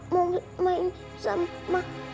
mau main sama